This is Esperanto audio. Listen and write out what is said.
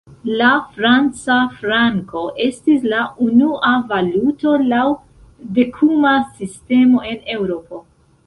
La franca franko estis la unua valuto laŭ dekuma sistemo en Eŭropo.